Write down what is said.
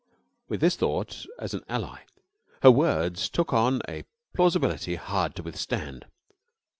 With this thought as an ally her words took on a plausibility hard to withstand.